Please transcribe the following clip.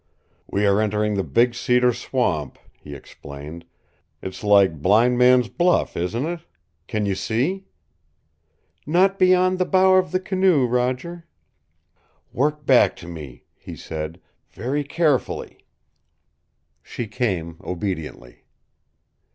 "We are entering the big cedar swamp," he explained. "It is like Blind Man's Buff, isn't it? Can you see?" "Not beyond the bow of the canoe, Roger." "Work back to me," he said, "very carefully." She came, obediently.